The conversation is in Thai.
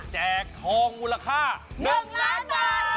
แจกทองมูลค่า๑๐๐๐๐๐๐บาท